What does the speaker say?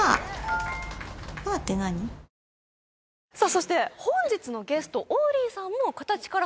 そして本日のゲスト